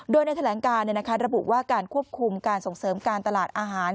โดยในแถลงการระบุว่าการควบคุมการส่งเสริมการตลาดอาหาร